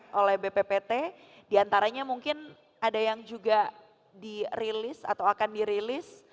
yang oleh bppt diantaranya mungkin ada yang juga dirilis atau akan dirilis